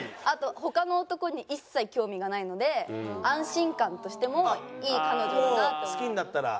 あと他の男に一切興味がないので安心感としてもいい彼女だなって。